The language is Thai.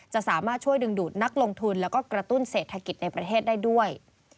จะสามารถช่วยดึงดูดนักลงทุนแล้วก็กระตุ้นเศรษฐกิจในประเทศได้ด้วย